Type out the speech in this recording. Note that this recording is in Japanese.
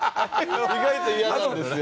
意外と嫌なんですよ。